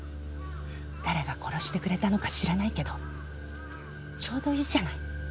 誰が殺してくれたのか知らないけどちょうどいいじゃない。